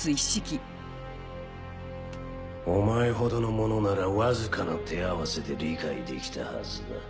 お前ほどの者ならわずかな手合わせで理解できたはずだ。